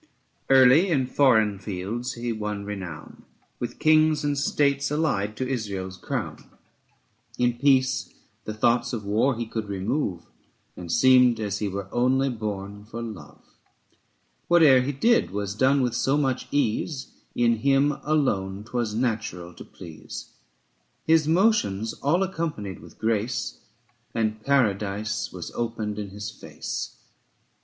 Early in foreign fields he won renown With kings and states allied to Israel's crown; In peace the thoughts of war he could remove 25 And seemed as he were only born for love. Whate'er he did was done with so much ease, In him alone 'twas natural to please ; dfts^ ih+^FJ ABSALOM AND ACHITOPHEL. 89 His motions all accompanied with grace, And Paradise was opened in his face.